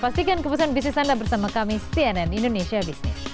pastikan kebusuhan bisnis anda bersama kami cnn indonesia bisnis